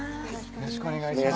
よろしくお願いします